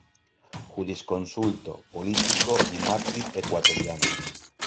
Jurisconsulto, político y mártir ecuatoriano.